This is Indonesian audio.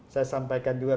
saya sampaikan juga